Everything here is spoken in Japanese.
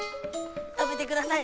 食べてください！